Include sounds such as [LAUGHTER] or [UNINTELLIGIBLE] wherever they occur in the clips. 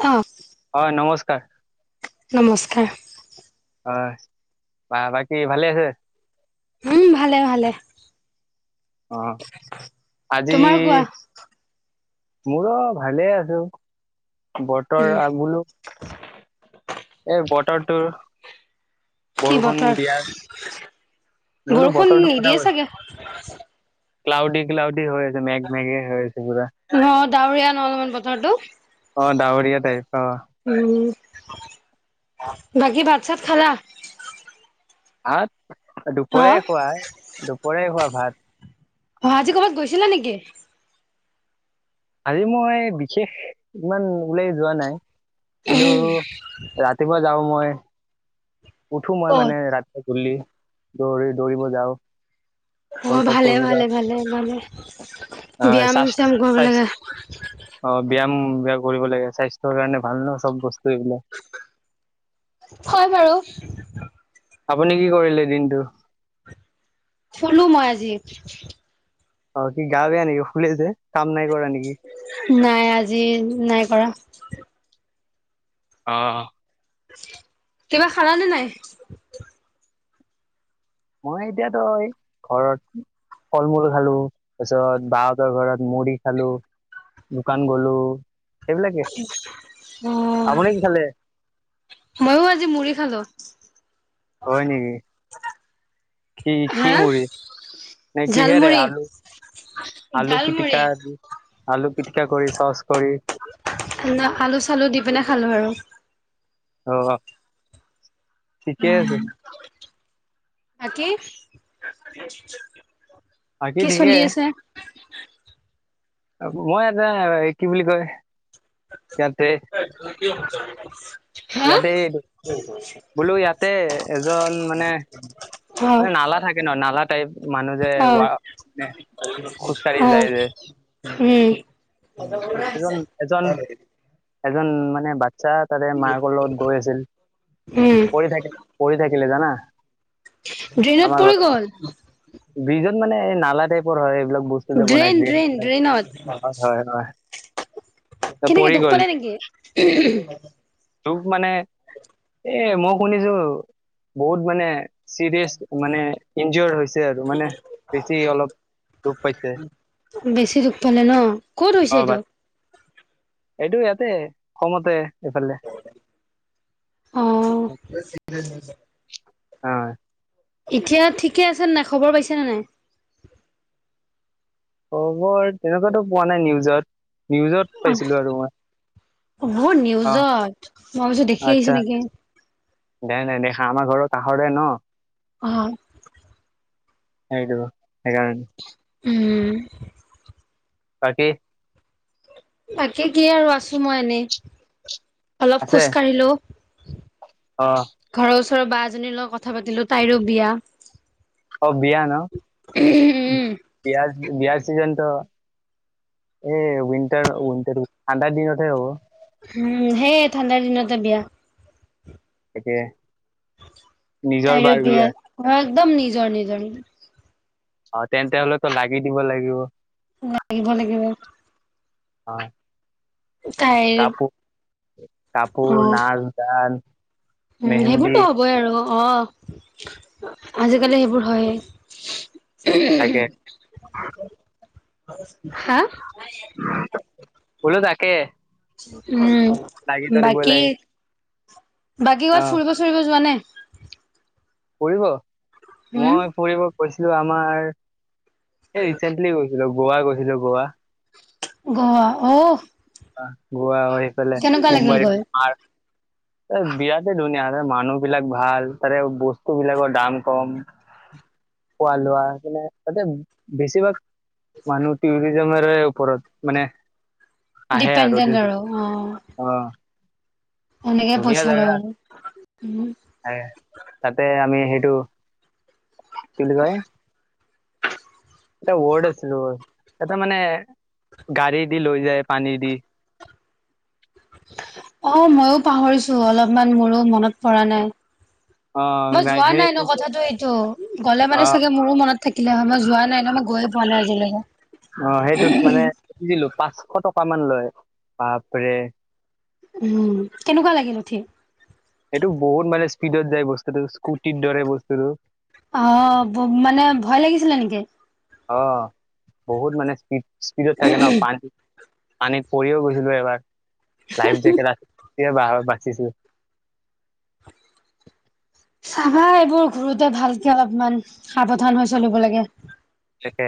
অ হয় নমস্কাৰ। নমস্কাৰ। হয়, বা বাকী ভালে আছে? উম ভালে ভালে। অ' আজি তোমাৰ কোৱা মোৰো ভালে আছো, বতৰ আগলো এই বতৰটোৰ কি বতৰ বোলো বৰষুণ বতৰটো কথা নিদিয়ে কৈছো চাগে। ক্লাউডি ক্লাউডি হৈ আছে, মেঘ মেঘে হৈ আছে পোৰা। অ ডাৱৰীয়া ন অলপমান বতৰটো অ' দাৱৰিয়া টাইপ অ'। উম বাকী ভাত চাত খালা? ভাত, অ দুপৰিয়া খোৱা, দুপৰীয়াই খোৱা ভাত। অ' আজি ক'বাত গৈছিলা নেকি? আজি মই বিশেষ, ইমান ওলাই যোৱা নাই। [UNINTELLIGIBLE] কেতিয়াবা যাব মই উঠো মই ক'ত? মানে ৰাতিপুৱা, গধূলি দৌৰি দৌৰিব যাওঁ। অ' ৱৰ্কআউট ভালে, কৰিব যাওঁ ভালে, ভালে, ভালে, অ ব্যায়াম স্বাস্থ্য চ্যাম কৰিব স্বাস্থ্য লাগে। অ' ব্যায়াম ব্যায়াম কৰিব লাগে, স্বাস্থ্যৰ কাৰণে ভাল ন চব বস্তু। এইবিলাক হয় বাৰু। আপুনি কি কৰিলে দিনটো? শুলোঁ মই আজি। অ কি গাঁৱে নেক ফুুল যে। কাম নাই কৰা নেকি নাই আজি নাই কৰা। অ কিবা খালানে নাই? মই এতিয়াতো এই ঘৰত। ফল মূল খালো, তাৰপিছত বাহঁতৰ ঘৰত মুড়ি খালো। দোকান গলো সেইবিলাকে হ। আপুনি কি খালে মইয়ো আজি মুড়ি খালো হয় নেকি কি কি হা মুড়ি, নে কি হেৰে ঝালমুড়ি আলু আলু ঝালমুড়ি পিটিকা দি আলু পিটিকা কৰি চচ কৰি ন আলু চালু দি পিনে খালো আৰু অ', ঠিকে আছে। আকি বাকী কি ঠিকে চলি আছে? মই এটা কি বুলি কয় ইয়াতে ত ত [UNINTELLIGIBLE] ইয়াতে বোলো ইয়াতে এজন মানে মানে নালা থাকে ন নালা টাইপ মানুহ যে ৱা মানে অহ খোজকাঢ়ি যায় যে অহ উম এজন এজন [UNINTELLIGIBLE] এজন মানে বাচ্ছা তাৰে মাকৰ লগত গৈ আছিল, উম, পঢ়ি থাকে পঢ়ি থাকে গিল [UNINTELLIGIBLE] জানা ড্ৰেইনত আমাৰ পৰি ঘৰত গ'ল। ব্ৰিজত মানে নালা টাইপৰ হয় এইবিলাক বস্তু যে বনাই ড্ৰেইন, ড্ৰেন ড্ৰেইন, টাইপ, ড্ৰেইনত হয় হয় হয়। ত কেনেকে পৰি দুখ গ'ল পালে নেকি? তুব মানে হয়। এ মই শুনিছোঁ বহুত মানে চিৰিয়াচ মানে ইনজঅ'ৰ হৈছে আৰু মানে বেছি অলপ দুখ পাইছে বেছি দুখ পালে ন', ক'ত হৈছে অ এইটো? বাট এইটো ইয়াতে খমতে এইফালে। অ'। অয়। এতিয়া ঠিকে আছে নাই খবৰ পাইছানে নাই? খবৰ তেনেকুৱাতো পোৱা নাই নিউজত। ত পাইছিলো আৰু মই। মোৰ অ নিউজত মই ভাৱিছো দেখি আচ্ছা আহিছো নেকি। দে নাই দেখা আমাৰ ঘৰৰ কাষৰে ন'। অহ। হেইটো সেইকাৰনে উম। বাকী? বাকী কি আৰু আছো মই এনেই, অলপ খোজ কাঢ়িলো। অহ। ওচৰৰ বা এজনীৰ লগত কথা পাতিলো তাইৰো বিয়া। অ', বিয়া ন' উম, বিয় বিয়া। চিজন এই উইনটাৰ উটাৰ ঠাণ্ডাৰ দিনতহে হ'ব। উম সেইয়ে ঠাণ্ডাৰ দিনতে বিয়া। তাকে। নিজৰ তাইৰো বাৰ বিয়া, অ একদম নিজৰ, নিজৰ, নিজৰ। অ তেন্তে হলেতো লাগি দিব লাগিব। লাগিব লাগিব অ। তাইৰ কাপোৰ কাপোৰ, অ', নাচ গান। উম মেহেন্দি সেইবোৰতো হবই আৰু। অ আজিকালি সেইবোৰ হয়। তাকাকে হা এক উম বাকি লাগে বাগী অ গৱাত ফুৰিব ফুৰিব যোৱা নে ফুৰিব উম, মই ফুৰিব কৈছিলো আমাৰ এই ৰিচেন্টলি গৈছিল এই গোৱা গৈছিলোে গোৱা গোৱা অঔ গোোৱা হয়ফালে লাগিল মুম্বাই গৈ? বিৰাটেই ধুনীয়া ত মানুহবিলাক ভাল তাৰে বস্তু বিলাকৰ দাম কম খোৱা লোৱা মে ততে বেছিভাগ মানহ টুৰিজম ৰওপৰৰত মানে আহে আৰু ডিপেণ্ডেণ্ট অ', আহ এনেকে পইচা লয় আৰু তাতে আমি সেইটো কেল গাই এটা মানে গাড়ী দি লৈ যায় পানী দি অ মইো পাহৰিছো অলপমান মোৰো মনত পৰা নাই [UNINTELLIGIBLE] মই গাড়ী যোৱা নাই ন সেই- কথাাতটো এইটো গ'লে অ মানে চাগে মোৰো মনত থাকিলে হয় মই যোৱা নাই ন মই গৈ পোৱা নাই আজিলৈকে অ সেইটোত মানে সজিলো পাঁচশ টকাামান লয় তাপৰে উম কেনেকুৱা লাগিল উঠি স্পিডত যাই বসুো স্কটিৰ দৰে বস্তুটো অ মানে ভয় লাগিছিলে নেকি অ বহুত মানে স্পীড স্পীডত থাকে ন পানী পানীত পৰিও গৈছিলো এবাৰ লাইফ জেকট আ বাচিছিলো চাবা এইবোৰ ঘুৰোতে ভালকে অলপমান সাৱধান হৈ চলিব লাগে তাকে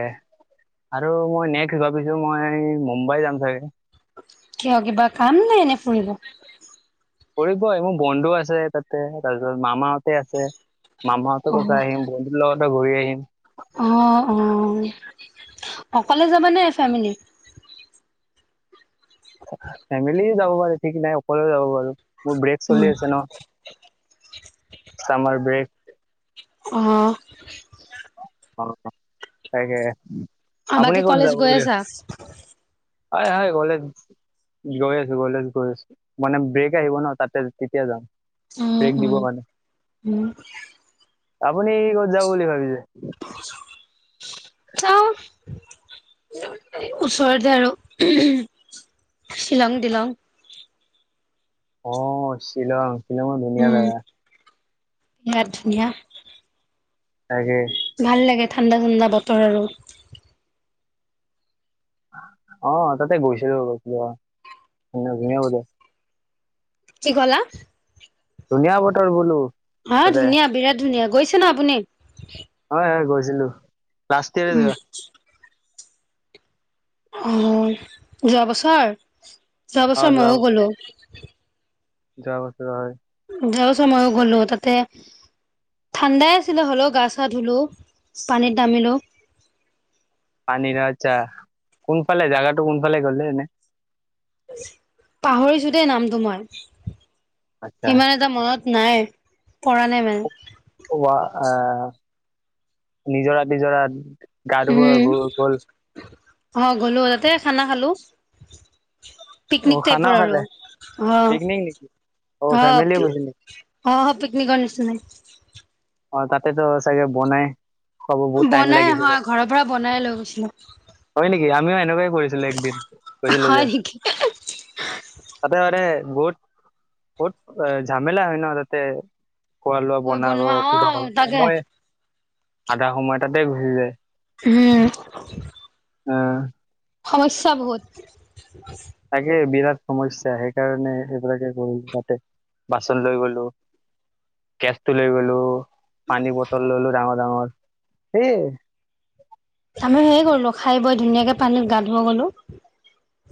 আৰু মই নেক্স ভাবিছো মই মুম্বাই যাম চাগে কিয় কিবা কাম নাই এনে ফুৰিব কৰিব মোৰ বন্ধু আছে তাতে তাৰপিছত মামাহতে আছে অ মামাহঁতৰ কথা আহিম বন্ধুৰ লগতে ঘূৰি আহিম অ অ অকলে যাব নে ফেমিল ফেমিলি যাব পাৰো ঠিক নাই অকও যাব পাৰো মোৰ ব্ৰেক উম, চলি আছে নাম ব্ৰেক আহ অ তে আ বাকী কলেজ গৈ আছা হয় হয় কলে ন গৈ আছো গৈ আছো গৈ আছো মানে ব্ৰেক আহিব ন তাতে তেতিয়া যাম উম ব্ৰেক দিব উম মানে। উম আপুনি ক'ত যাব বুলি ভাবিছে চ [UNINTELLIGIBLE] ওচৰতে আৰু শ্বিলং িলং অ শ্বিলং শ্বিলঙৰ ধুনীয়া জেগা আৰ্জুনিয়া তে ভাল লাগে ঠাণ্ডা ঠাণ্ডা বতৰ আৰু অ ততে গৈছে গুনীয়া বে কি ক'লা? ধুনীয়া বতৰ বোলো। হা তাতে। ধুনীয়া বিৰাট ধুনীয়া গৈছে ন' আপুনি? হয় হয় গৈছিলো, লাষ্ট ইয়াৰে উম। যোৱা। অহ, যোৱা বছৰ? যোৱা বছৰ ময়ো গ'লো। যোৱা বছৰ, হয়। যোৱা বছৰ ময়ো গ'লো তাতে ঠাণ্ডাই আছিলে হলেও গা চা ধুলো পানীত নামিলো। পানীৰ আচ্ছা, কোনফালে জাগাটো কোনফালে গলে এনেই। পাহৰিছো দেই নামটো মই, আচ্ছা সিমান এটা মনত নাই পৰা নাই মানে, ৱা আহ নিজৰা নিজৰা গা ধুব উম গল। অ গ'লো, তাতে খানা খালো। অ পিকনিক খানাও টাইপৰ আৰু খালে অ পিকনিক নেকি অ অ। ফেমিলি গৈছিল নেকি? অ অ পিকনিকৰ নিচিনাই। অ তাতে চাগে বনাই। খুৱাব বহুত টাইম বনাই লাগিছিলে হয় ঘৰৰ পৰা বনাই লৈ গৈছিলো। স আমিও এনেকুৱাই কৰিছিলো একদিন কৈছিলো হয় যে, নেকি? তাতে মানে। বহুত বহুত ঝামেলা হয় ন তাতে, খোৱা লোৱা গৈ বনাব। বনোৱা অ কিবা হ'লো, তাকে সময় আধা সময় তাতে ঘুচি যায়। উম। অহ। সমস্যা বহুত। তাকে বিৰাট, সমস্যা সেইকাৰণে এইবিলাকে গল তাতে বাচন লৈ গলো। কেচ টো লৈ গলো। পানীৰ বটল ললো ডাঙৰ ডাঙৰ। সেই আমি হে কৰিলো খাই বৈ ধুনীয়াকে পানীত গা ধুৱ গলো।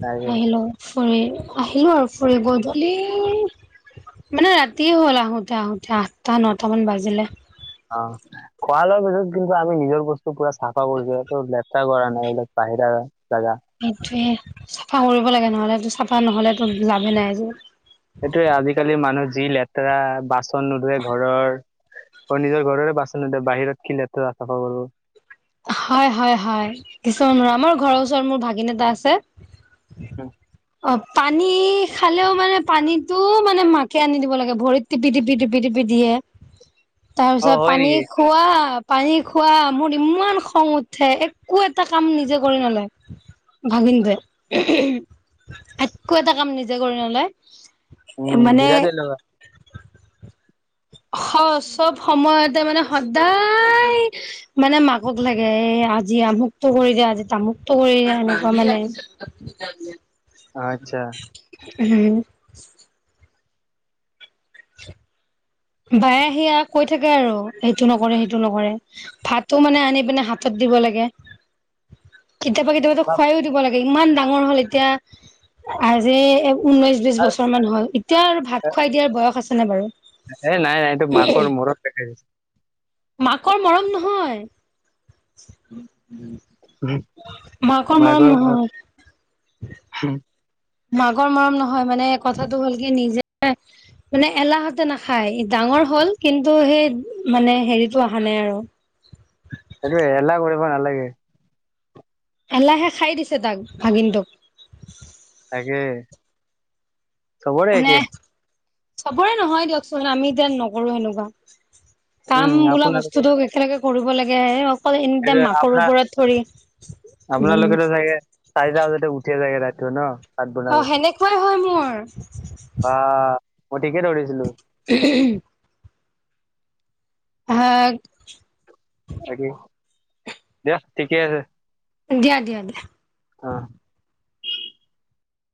তাকে আহিলো ফুৰি আহিলো আৰু ফুৰিব, ধূলি, মানে ৰাতিয়ে হ'ল আহোতে আহোতে আঠটা নটা মান বাজিলে। অ' খোৱা লোৱাৰ পিছত কিন্তু আমি নিজৰ বস্তু পুৰা চাফা কৰিছো এইটো লেতেৰা কৰা নাই। এইবিলাক বাহিৰা জাগা সেইটোয়ে চাফা কৰিব লাগে, নহলে এই চাফা নহলেতো লাভে নাই যে। সেইটোয়ে আজিকালি মানুহ যি লেতেৰা বাচন নোধোৱে ঘৰৰ। আৰু নিজৰ ঘৰৰে বাচন নোধোৱে, বাহিৰত কি লেতেৰা চাফা কৰিব। হয় হয় হয়, কিছুমান [UNINTELLIGIBLE] আমাৰ ঘৰৰ ওচৰত মোৰ ভাগিন এটা আছে। অ'। অ' পানী খালেও মানে পানীটো মানে মাকে আনি দিব লাগে। ভৰিত টিপি টিপি টিপি টিপি। দিয়ে। [INAUDIBLE] তাৰ অ পিছত হয় পানী নেকি খোৱা, পানী খোৱা মোৰ ইমান খং উঠে, একো এটা কাম নিজে কৰি নালয়। ভাগিনটোৱে, একো এটা কাম নিজে কৰি নলয়। উম, মানে বিৰাট এলেহুৱা। [INAUDIBLE] স চব সময়তে মানে সদায় মানে মাকক লাগে। এ আজি আমুকটো কৰি দিয়া, আজি তামুকটো কৰি দিয়া এনেকুৱা মানে। আচ্ছা। [UNINTELLIGIBLE] [UNINTELLIGIBLE] বায়ে আহি কৈ থাকে আৰু সেইটো নকৰে, সেইটো নকৰে, ভাতো মানে আনি পিনে হাতত দি দিব লাগে। [INAUDIBLE] কেতিয়াবা-কেতিয়াবা টো বা- খুৱাইও দিব লাগে ইমান ডাঙৰ হল এতিয়া আজি ঊনৈশ বিশ বছৰমানান হল এতিয়া আৰু ভাত খোৱাই দিয়াৰ বয়স আছেনে বাৰু। এ নাই-নাই এইটো মাকৰ মৰম দেখাইছে। মাকৰ মৰম নহয়। মাকৰ মৰম নহয়। মাকৰ মৰম নহয় মানে কথাটো হ'ল কি নিজে মানে এলাহতে নাখায় ডাঙৰ হল কিন্তু সেই মানে হেৰিতটো অহা নাই আৰু। [INAUDIBLE] লাগে। এলাহে খাই দিছে তাক ভাগিনটোক। তাকে চবৰে মানে একে। চবৰে নহয় দিয়কচোন আমি এতিয়া নকৰো এনেকুৱা। উম কাম বোলা আপোনালোকে বস্তু একেলগে কৰিব লাগে হে আৰু। অকল এনে এইটো মাকৰ আপোনাৰ ওপৰত ধৰি উম, আপোনালোকেতো টো ন ভাত অ বনাব সেনেকুৱাই হয় মোৰ বা, মই ঠিকে ধৰিছিলো। হা, বাকি দিয়া ঠিকে আছে। দিয়া-দিয়া-দিয়া। অহ,